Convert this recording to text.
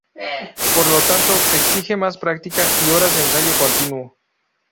Por lo tanto, exige más práctica y horas de ensayo continuo.